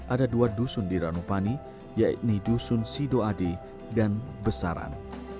ada dua dusun di ranupani yakni dusun sidoadi dan besaran